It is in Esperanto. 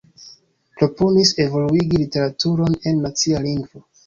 Proponis evoluigi literaturon en nacia lingvo.